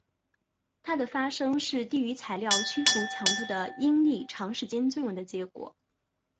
它的发生是低于材料屈服强度的应力长时间作用的结果。